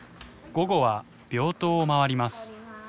午後は病棟を回ります。